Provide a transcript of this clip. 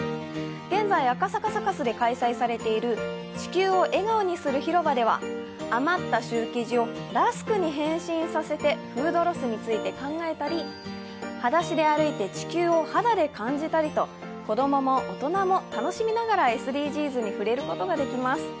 現在、赤坂サカスで開催されている地球を笑顔にする広場では余ったシュー生地をラスクに変身させてフードロスについて考えたりはだしで歩いて地球を肌で感じたりと子供も大人も楽しみながらＳＤＧｓに触れることができます。